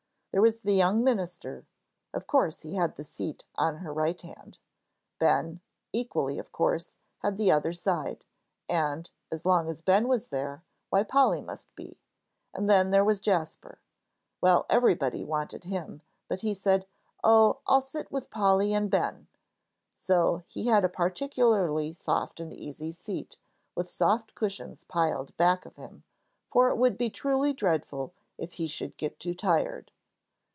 There was the young minister of course he had the seat on her right hand. Ben, equally of course, had the other side, and, as long as Ben was there, why, Polly must be; and then there was Jasper. Well, everybody wanted him, but he said, "Oh, I'll sit with Polly and Ben;" so he had a particularly soft and easy seat, with sofa cushions piled back of him, for it would be truly dreadful if he should get too tired!